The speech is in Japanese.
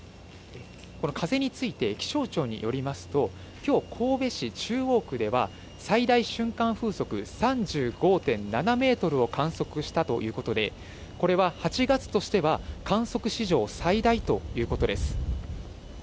この風について、気象庁によりますと、きょう、神戸市中央区では最大瞬間風速３５．７メートルを観測したということで、これは８月としては観測史上最大ということです。